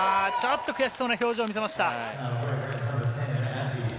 悔しそうな表情を見せました。